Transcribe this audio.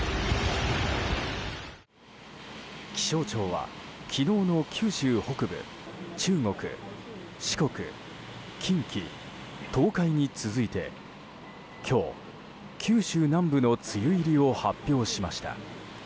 気象庁は昨日の九州北部中国、四国、近畿、東海に続いて今日、九州南部の梅雨入りを発表しました。